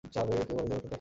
কে বলে দেবতা দেখা দেন না!